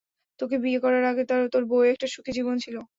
তোকে বিয়ে করার আগে তোর বউয়ের একটা সুখী জীবন ছিল।